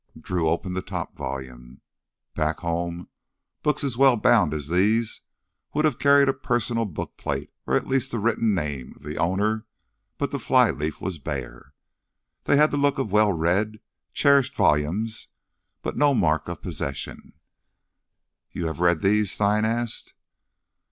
Drew opened the top volume. Back home books as well bound as these would have carried a personal bookplate or at least the written name of the owner, but the fly leaf was bare. They had the look of well read, cherished volumes but no mark of possession. "You have perhaps read these?" Stein asked.